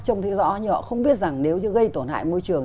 trông thấy rõ nhưng họ không biết rằng nếu như gây tổn hại môi trường